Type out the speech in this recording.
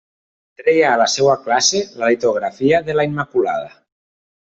Treia a la seua classe la litografia de la Immaculada.